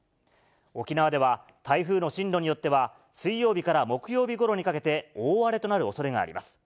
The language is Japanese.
沖縄では台風の進路によっては、水曜日から木曜日ごろにかけて大荒れとなるおそれがあります。